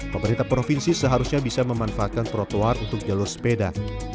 pemerintah provinsi seharusnya bisa memanfaatkan trotoar untuk jalur sepeda